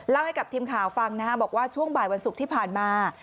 ให้กับทีมข่าวฟังนะฮะบอกว่าช่วงบ่ายวันศุกร์ที่ผ่านมา